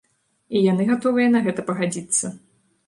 І яны гатовыя на гэта пагадзіцца.